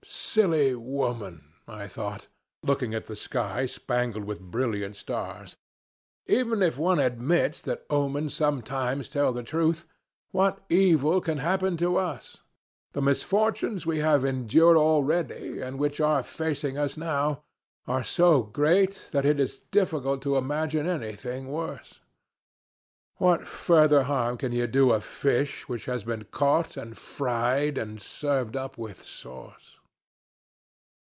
"Silly woman," I thought, looking at the sky spangled with brilliant stars. "Even if one admits that omens sometimes tell the truth, what evil can happen to us? The misfortunes we have endured already, and which are facing us now, are so great that it is difficult to imagine anything worse. What further harm can you do a fish which has been caught and fried and served up with sauce?"